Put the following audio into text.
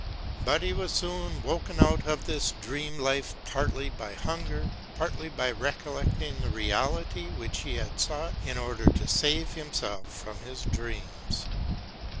But he was soon woken out of this dream life partly by hunger, partly by recollecting the reality which he had sought in order to save himself from his dreams.